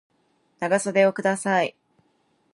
長袖をください